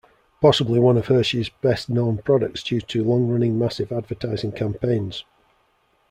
Possibly one of Hershey's best-known products due to long-running massive advertising campaigns.